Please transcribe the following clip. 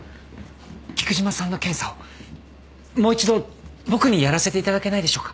菊島さんの検査をもう一度僕にやらせていただけないでしょうか？